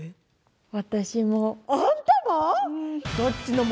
私もあんたも？